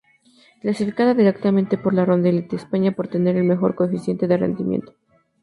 Clasificada directamente para la Ronda Élite: España por tener el mejor coeficiente de rendimiento.